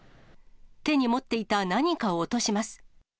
手に持っていた何かを落とします。